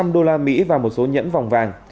một bốn trăm linh đô la mỹ và một số nhẫn vòng vàng